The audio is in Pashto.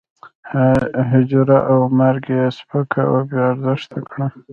حجره او مرکه یې سپکه او بې ارزښته کړه.